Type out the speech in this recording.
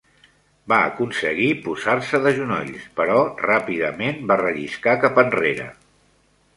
Va aconseguir posar-se de genolls, però ràpidament va relliscar cap enrere.